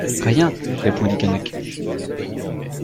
Rien ! répondit Keinec.